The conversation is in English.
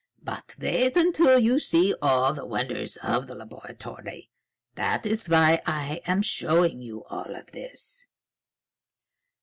"But wait until you see all the wonders of the laboratory! That is why I am showing you all this."